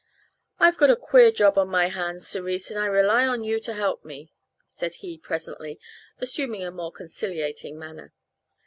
"I've got a queer job on my hands, Cerise, and I rely on you to help me," said he presently, assuming a more conciliating manner.